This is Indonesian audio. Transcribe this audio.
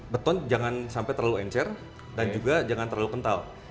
beton jangan sampai terlalu encer dan juga jangan terlalu kental